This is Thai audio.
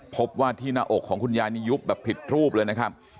พบว่าที่หน้าอกของคุณยายนี่ยุบแบบผิดรูปเลยนะครับ